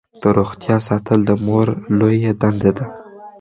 د روغتیا ساتل د مور لویه دنده ده.